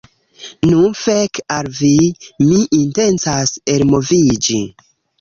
Nu, fek al vi, mi intencas elmoviĝi.